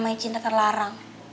namanya cinta terlarang